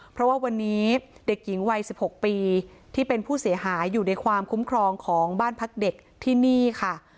เพราะว่าวันนี้เด็กหญิงวัย๑๖ปีที่เป็นผู้เสียหายอยู่ในความคุ้มครองของบ้านพักเด็กที่นี่ค่ะ